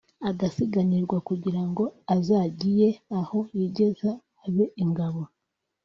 agazigamirwa kugira ngo azagiye aho yigeza abe ingabo